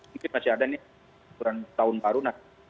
mungkin masih ada nih tahun baru